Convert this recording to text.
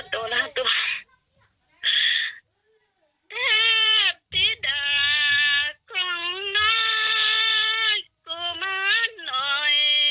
แทฟทิดาของน้อยกุมันหน่อย